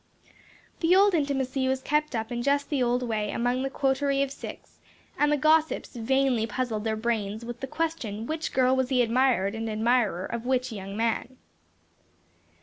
The old intimacy was kept up in just the old way among the coterie of six, and the gossips vainly puzzled their brains with the question which girl was the admired and admirer of which young man.